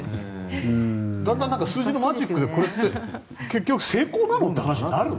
だんだん数字のマジックでこれって結局成功なの？って話になるの？